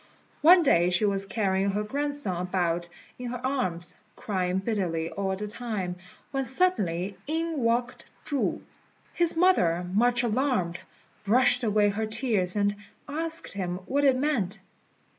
One day she was carrying her grandson about in her arms, crying bitterly all the time, when suddenly in walked Chu. His mother, much alarmed, brushed away her tears, and asked him what it meant.